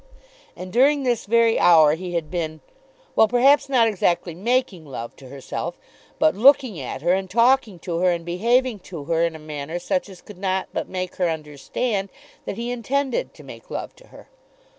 And during this very hour he had been, well, perhaps not exactly making love to herself, but looking at her and talking to her, and behaving to her in a manner such as could not but make her understand that he intended to make love to her.